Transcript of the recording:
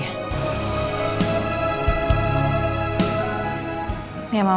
ya mama telfon lagi ya